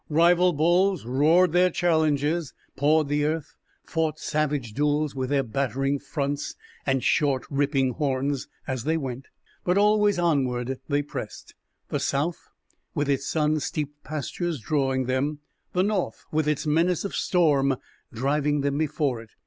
Rival bulls roared their challenges, pawed the earth, fought savage duels with their battering fronts and short, ripping horns, as they went; but always onward they pressed, the south with its sun steeped pastures drawing them, the north with its menace of storm driving them before it.